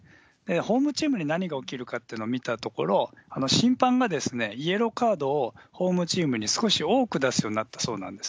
ホームチームに何が起きるかっていうのを見たところ、審判がイエローカードをホームチームに少し多く出すようになったそうなんです。